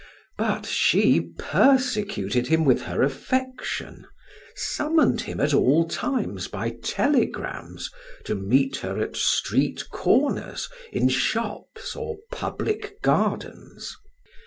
But she persecuted him with her affection, summoned him at all times by telegrams to meet her at street corners, in shops, or public gardens.